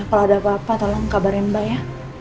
kalau ada apa apa tolong kabarin mbak ya